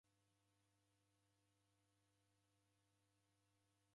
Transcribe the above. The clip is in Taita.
Waghuilwa vidasi mrongo iw'i.